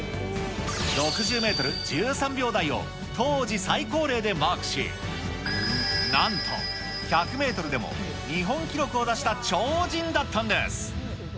６０メートル１３秒台を当時最高齢でマークし、なんと、１００メートルでも日本記録を出した超人だったんです。